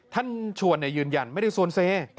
ท่านชวนยืนยันไม่ได้ชวนเซ